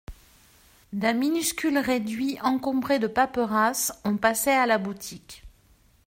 D’un minuscule réduit encombré de paperasses, on passait à la boutique